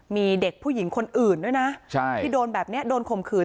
มีเด็กผู้หญิงคนอื่นด้วยนะที่โดนแบบนี้โดนข่มขืน